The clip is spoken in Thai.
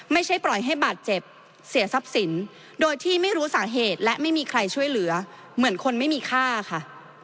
ไม่ใช่ปล่อยให้บาดเจ็บเสียทรัพย์สินโดยที่ไม่รู้สาเหตุและไม่มีใครช่วยเหลือเหมือนคนไม่มีค่าค่ะ